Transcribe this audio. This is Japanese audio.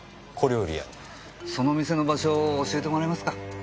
その店の場所を教えてもらえますか？